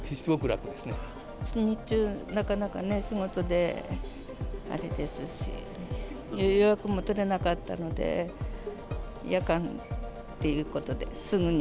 日中、なかなかね、仕事であれですし、予約も取れなかったので、夜間っていうことで、すぐに